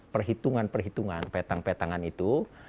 perhitungan perhitungan petang petangan itu